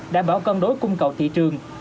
đảm bảo cân đối cung cầu thị trường